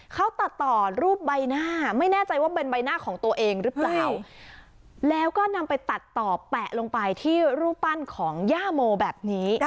เขาตัดต่อรูปใบหน้าไม่แน่ใจว่าเป็นใบหน้าของตัวเองหรือเปล่าแล้วก็นำไปตัดต่อแปะลงไปที่รูปปั้นของย่าโมแบบนี้